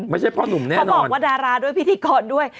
ไม่ใช่พ่อหนุ่มแน่เขาบอกว่าดาราด้วยพิธีกรด้วย